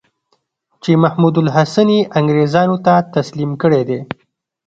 چې محمودالحسن یې انګرېزانو ته تسلیم کړی دی.